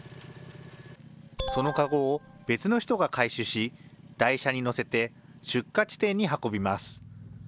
その籠を別の人が回収し、台車に載せて出荷地点に運びます。